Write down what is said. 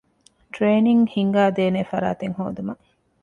ޓްރެއިނިންގ ހިންގައިދޭނޭ ފަރާތެއް ހޯދުމަށް